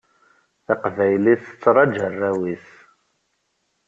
Taqbaylit tettṛaju arraw-is.